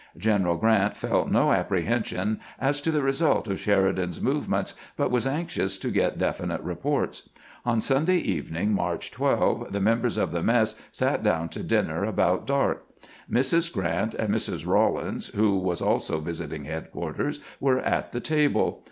General Grrant felt no apprehension as to the result of Sheridan's movements, but was anxious to get definite reports. On Sunday evening, March 12, the members of the mess sat down to dinner about dark. Mrs. Grrant and Mrs. Rawlins, who was also visiting headquarters, were at the table.